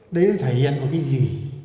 đấy là thể hiện một cái gì